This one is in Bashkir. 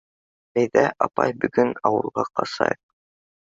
— Әйҙә, апай, бөгөн ауылға ҡасайыҡ.